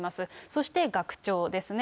そして学長ですね。